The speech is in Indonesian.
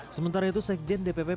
sementara itu sekjen dpp